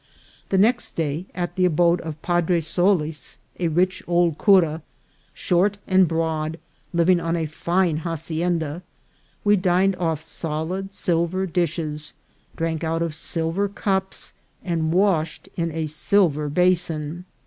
The next day, at the abode of Padre Solis, a rich old cura, short and broad, living on a fine hacienda, we dined off solid silver dishes, drank out of silver cups, and washed in a silver basin.